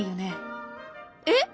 えっ？